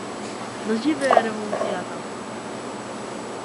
Да живее Револуцијата.